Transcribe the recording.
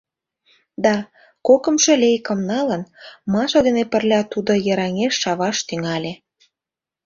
— Да, кокымшо лейкым налын, Маша дене пырля тудо йыраҥеш шаваш тӱҥале.